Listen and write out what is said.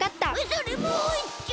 それもういっちょ！